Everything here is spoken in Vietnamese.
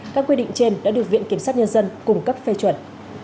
các quy định trên đã được viện kiểm sát nhân dân cung cấp phê chuẩn